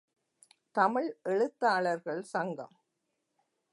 தமிழ் எழுத்தாளர்கள் சங்கம்.